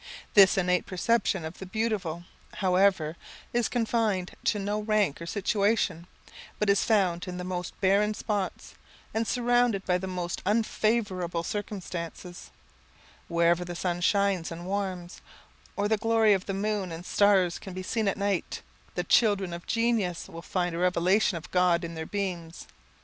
This innate perception of the beautiful, however, is confined to no rank or situation, but is found in the most barren spots, and surrounded by the most unfavourable circumstances; wherever the sun shines and warms, or the glory of the moon and stars can be seen at night, the children of genius will find a revelation of God in their beams.